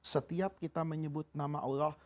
setiap kita menyebut nama allah